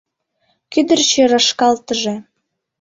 Кӱдырчӧ рашкалтыже!